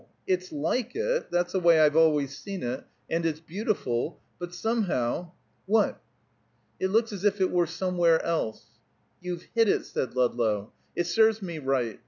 It's like it; that's the way I've always seen it; and it's beautiful. But somehow " "What?" "It looks as if it were somewhere else." "You've hit it," said Ludlow. "It serves me right.